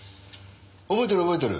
覚えてる覚えてる。